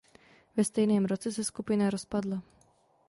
Ve stejném roce se skupina rozpadla.